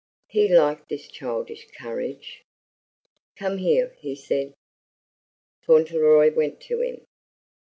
He liked this childish courage. "Come here," he said. Fauntleroy went to him.